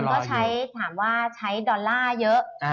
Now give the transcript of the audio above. ก็ใช้ถามว่าใช้ดอลลาร์เยอะ